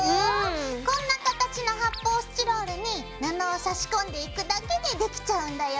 こんな形の発泡スチロールに布を差し込んでいくだけでできちゃうんだよ。